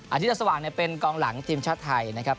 อาทิตย์สว่างเป็นกองหลังทีมชาติไทยนะครับ